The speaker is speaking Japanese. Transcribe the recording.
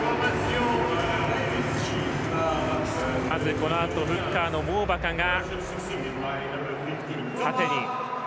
このあとフッカーのモーバカが縦に。